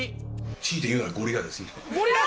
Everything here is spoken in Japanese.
強いて言うならゴリラですね。